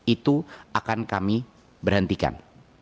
itu akan kami berhentikan